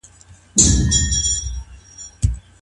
احساسات باید په سمه توګه کنټرول سي.